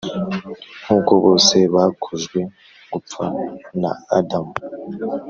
Nk uko bose bokojwe gupfa na Adamu